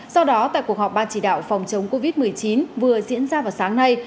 do đó tại cuộc họp ban chỉ đạo phòng chống covid một mươi chín vừa diễn ra vào sáng nay